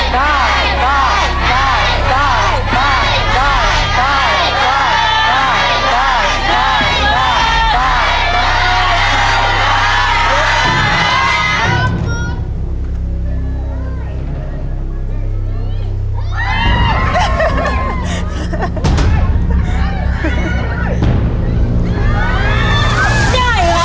ได้หรือไม่ได้